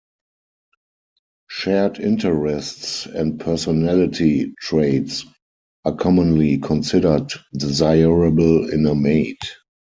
Shared interests and personality traits are commonly considered desirable in a mate.